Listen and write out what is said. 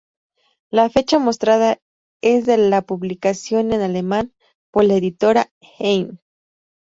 La fecha mostrada es de la publicación en alemán por la editorial Heyne.